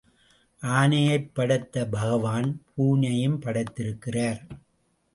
ஆனையைப் படைத்த பகவான் பூனையையும் படைத்திருக்கிறார்.